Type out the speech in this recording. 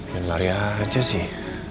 nyari nari aja sih